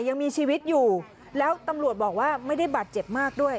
ยังมีชีวิตอยู่แล้วตำรวจบอกว่าไม่ได้บาดเจ็บมากด้วย